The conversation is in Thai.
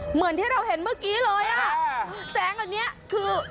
เหมือนที่เราเห็นเมื่อกี้เลยอ่ะแสงอันเนี้ยคือ